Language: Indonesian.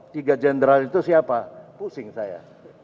tiga jenderal itu siapa pusing saya